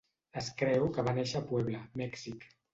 Es creu que va néixer a Puebla (Mèxic).